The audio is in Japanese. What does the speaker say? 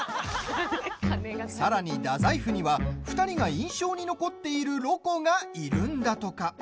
さらに大宰府には２人が印象に残っているロコがいるのだとか。